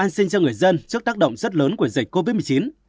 an sinh cho người dân trước tác động rất lớn của dịch covid một mươi chín